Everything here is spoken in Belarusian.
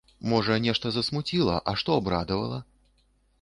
Можа, нешта засмуціла, а што абрадавала?